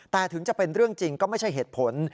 แต่ถึงจะเป็นเรื่องจริงก็ไม่ใช่เหตุผล